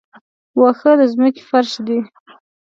واښه د ځمکې فرش دی